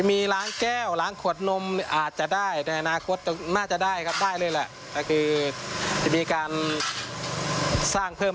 ผิดน้ำอีกทีหนึ่งก็คือจะสร้างเพิ่ม